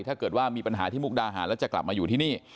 ถ้าเกิดว่ามีปัญหาที่มุกดาหารแล้วจะกลับมาอยู่ที่นี่